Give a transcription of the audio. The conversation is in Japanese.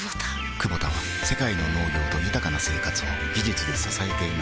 クボタは世界の農業と豊かな生活を技術で支えています起きて。